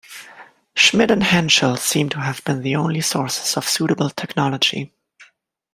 Schmidt and Henschel seem to have been the only sources of suitable technology.